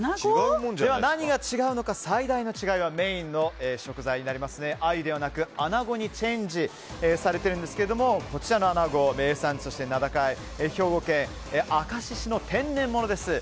では何が違うのか、最大の違いはメインの食材がアユではなくアナゴにチェンジされてるんですがこちらのアナゴ名産地として名高い兵庫県明石市の天然物です。